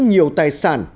nhiều tài sản